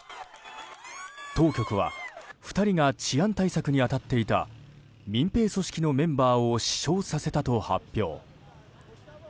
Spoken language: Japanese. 当局は２人が治安対策に当たっていた民兵組織のメンバーを死傷させたと発表。